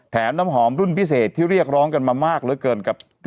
แถมน้ำหอมรุ่นพิเศษที่เรียกร้องกันมามากเรื่อยเกิน